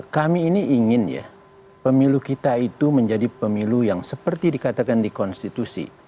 kami ini ingin ya pemilu kita itu menjadi pemilu yang seperti dikatakan di konstitusi